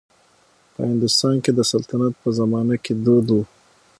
په هندوستان کې د سلطنت په زمانه کې دود و.